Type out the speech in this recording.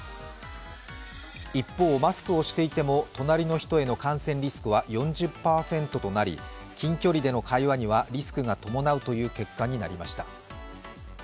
一方、マスクをしていても隣の人への感染リスクは４０％となり近距離での会話にはリスクが伴うという結果になりました。